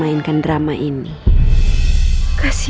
baru lu bener bener melewati